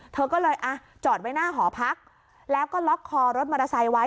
เธอก็เลยอ่ะจอดไว้หน้าหอพักแล้วก็ล็อกคอรถมอเตอร์ไซค์ไว้